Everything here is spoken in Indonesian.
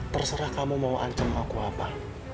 terserah kamu mau ancam aku apa